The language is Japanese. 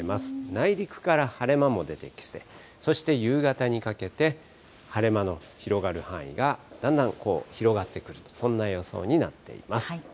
内陸から晴れ間も出てきて、そして夕方にかけて、晴れ間の広がる範囲がだんだん広がってくると、そんな予想になっています。